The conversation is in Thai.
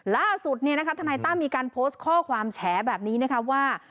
ล่าสุดธนายตั้มมีการโพสต์ข้อความแฉแบบนี้นะคะว่า